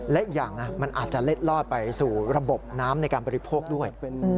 และอีกอย่างนะมันอาจจะเล็ดลอดไปสู่ระบบน้ำในการบริโภคด้วย